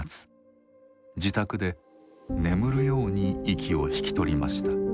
自宅で眠るように息を引き取りました。